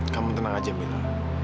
kamu tenang aja mila